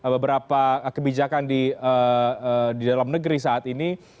beberapa kebijakan di dalam negeri saat ini